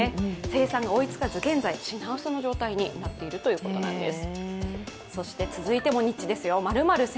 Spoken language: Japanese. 生産が追いつかず、現在、品薄の状態になっているということです。